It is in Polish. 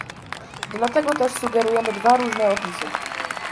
Dlatego też sugerujemy dwa różne opisy